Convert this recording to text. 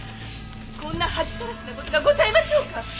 こんな恥さらしな事がございましょうか！